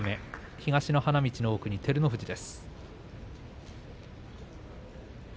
東の花道の奥に照ノ富士です。